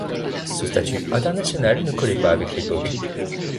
Ce statut international ne collait pas avec l'époque.